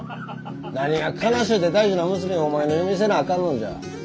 何が悲しゅうて大事な娘をお前の嫁にせなあかんのじゃ。